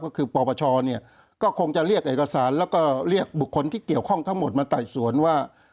ก็คือปปชเนี่ยก็คงจะเรียกเอกสารแล้วก็เรียกบุคคลที่เกี่ยวข้องทั้งหมดมาไต่สวนว่า